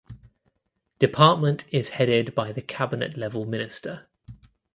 Department is headed by the cabinet level minister.